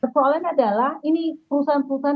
persoalannya adalah ini perusahaan perusahaan